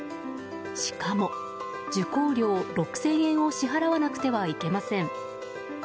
しかも、受講料６０００円を支払わなくてはいけません。